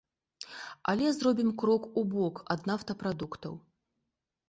Але зробім крок убок ад нафтапрадуктаў.